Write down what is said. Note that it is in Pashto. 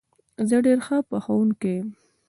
زه ډېر ښه پخوونکی یم